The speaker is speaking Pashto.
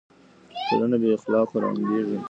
ټولنه بې اخلاقو ړنګه کيږي.